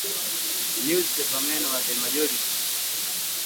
Newspaper men were the majority.